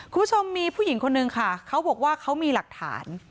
คุณผู้ชมมีผู้หญิงคนนึงค่ะเขาบอกว่าเขามีหลักฐาน